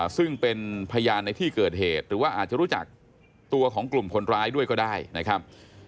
ซึ่งเป็นพยานในที่เกิดเหตุหรือว่าอาจจะรู้จักตัวของกลุ่มคนร้ายด้วยก็ได้นะครับ